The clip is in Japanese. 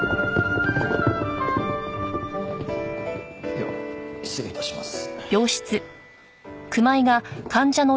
では失礼致します。